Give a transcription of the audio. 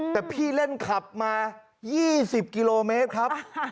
แต่พี่เล่นขับมา๒๐กิโลเมตรครับ